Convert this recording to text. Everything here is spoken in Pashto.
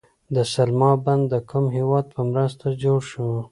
د سلما بند د کوم هیواد په مرسته جوړ شو؟